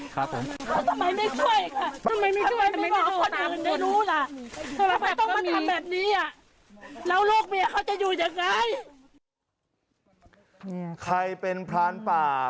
ใครเป็นพรานป่า